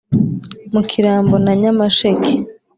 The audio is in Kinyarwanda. Mu Kirambo na Nyamasheke